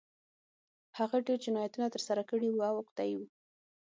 هغه ډېر جنایتونه ترسره کړي وو او عقده اي و